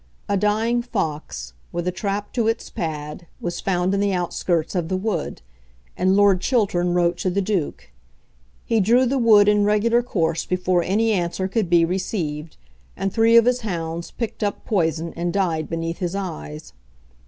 A dying fox, with a trap to its pad, was found in the outskirts of the Wood; and Lord Chiltern wrote to the Duke. He drew the Wood in regular course before any answer could be received, and three of his hounds picked up poison, and died beneath his eyes.